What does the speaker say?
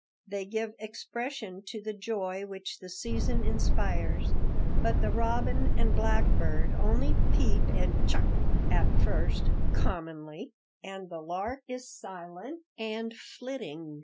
They give expression to the joy which the season inspires, but the robin and blackbird only peep and tchuck at first, commonly, and the lark is silent and flitting.